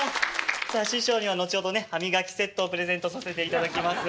さあ師匠には後ほど歯磨きセットをプレゼントさせていただきます。